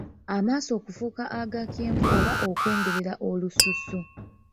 Amaaso okufuuka aga kyenvu oba okwengerera olususu.